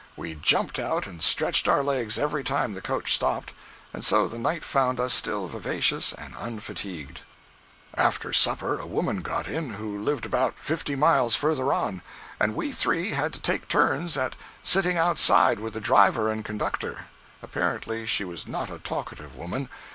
We jumped out and stretched our legs every time the coach stopped, and so the night found us still vivacious and unfatigued. After supper a woman got in, who lived about fifty miles further on, and we three had to take turns at sitting outside with the driver and conductor. Apparently she was not a talkative woman.